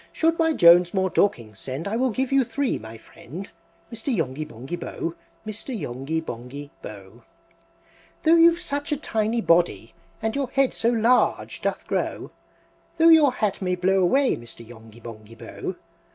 Should my Jones more Dorkings send, I will give you three, my friend! Mr. Yonghy Bongy Bò! Mr. Yonghy Bonghy Bò! VII. "Though you've such a tiny body, And your head so large doth grow, Though your hat may blow away, Mr. Yonghy Bonghy Bò!